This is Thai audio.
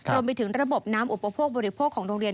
รวมไปถึงระบบน้ำอุปโภคบริโภคของโรงเรียน